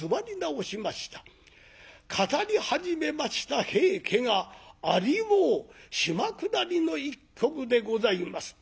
語り始めました『平家』が有王島下りの一曲でございます。